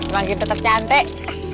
makin tetap cantik